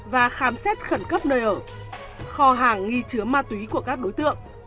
và khám xét khẩn cấp nơi ở kho hàng nghi chứa ma túy của các đối tượng